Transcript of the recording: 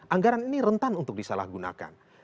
anggaran ini rentan untuk disalahgunakan